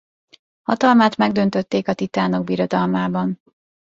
Hatalmát megdöntötték a Titánok Birodalmában.